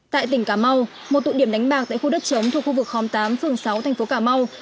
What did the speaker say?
tại tỉnh cà mau một tụ điểm đánh bạc tại khu đất chống thuộc khu vực khóm tám phường sáu thành phố cà mau